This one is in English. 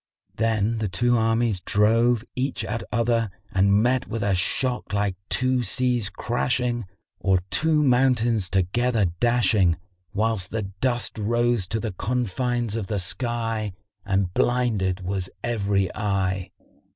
Then the two armies drove each at other and met with a shock like two seas crashing or two mountains together dashing, whilst the dust rose to the confines of the sky and blinded was every eye.